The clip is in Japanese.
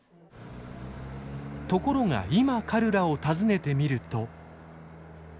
ところが今カルラを訪ねてみると。